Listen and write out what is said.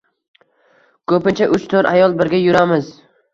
Ko`pincha uch-to`rt ayol birga yuramiz